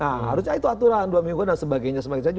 nah harusnya itu aturan dua mingguan dan sebagainya